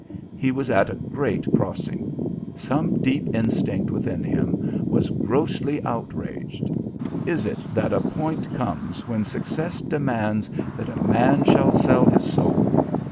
He was at a great crossing. Some deep instinct within him was grossly outraged. Is it that a point comes when success demands that a man shall sell his soul?